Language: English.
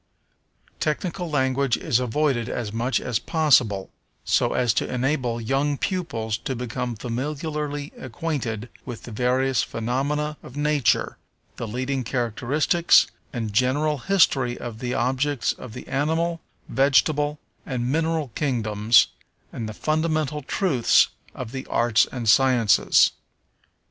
Technical language is avoided as much as possible, so as to enable young pupils to become familiarly acquainted with the various phenomena of nature, the leading characteristics and general history of the objects of the animal, vegetable, and mineral kingdoms, and the fundamental truths of the arts and sciences.